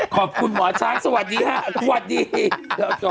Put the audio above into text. ขอบคุณหมอช้างสวัสดีครับสวัสดีครับโปรโปรส